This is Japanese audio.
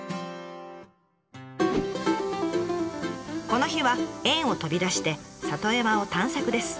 この日は園を飛び出して里山を探索です。